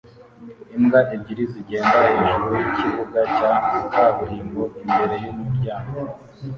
Imbwa ebyiri zigenda hejuru yikibuga cya kaburimbo imbere yumuryango